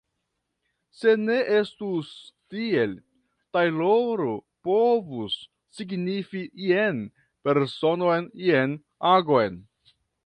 Se ne estus tiel, tajloro povus signifi jen personon, jen agon.